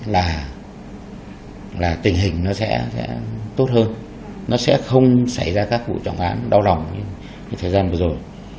là tình hình nó sẽ tốt hơn nó sẽ không xảy ra các vụ trọng án đau lòng như thời gian vừa rồi